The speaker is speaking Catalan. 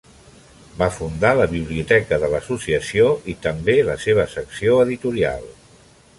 Va fundar la biblioteca de l'associació i també la seva secció editorial.